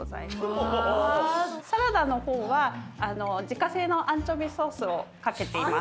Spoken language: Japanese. サラダの方は自家製のアンチョビソースをかけています。